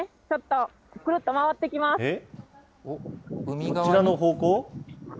ちょっとくるっと回ってきます。